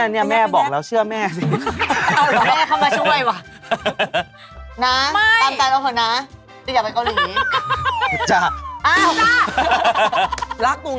เค้าหลีไปบ่อยแล้วมันคะนนะค่ะมู้นม